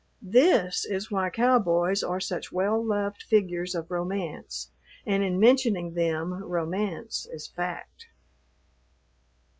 This is why cowboys are such well loved figures of romance and in mentioning them romance is fact.